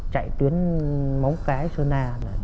chạy tuyến móng cái sơn na